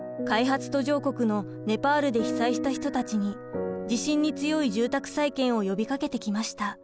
開発途上国のネパールで被災した人たちに地震に強い住宅再建を呼びかけてきました。